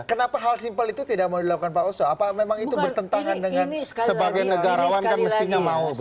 kenapa hal simpel itu tidak mau dilakukan pak oso apa memang itu bertentangan dengan sebagai negarawan kan mestinya mau